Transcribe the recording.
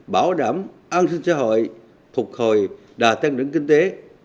bảo đảm an sinh xã hội thuộc hồi đà tăng đứng kinh tế